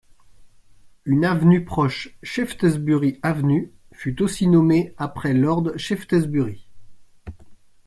Une avenue proche, Shaftesbury Avenue, fut aussi nommée après Lord Shaftesbury.